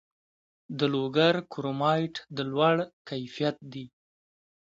د لوګر کرومایټ د لوړ کیفیت دی